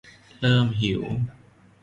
เริ่มหิว